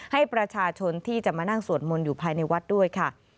ให้ประชาชนที่จะมานั่งสวดมนต์อยู่ภายในวัดด้วยค่ะ